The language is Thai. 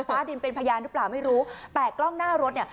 ฟ้าดินเป็นพยานหรือเปล่าไม่รู้แต่กล้องหน้ารถเนี่ย